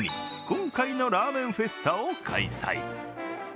今回のラーメンフェスタを開催。